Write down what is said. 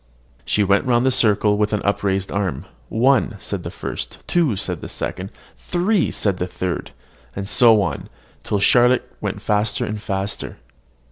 She went round the circle with upraised arm. "One," said the first; "two," the second; "three," the third; and so on, till Charlotte went faster and faster.